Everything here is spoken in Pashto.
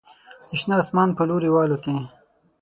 د شنه اسمان په لوري والوتې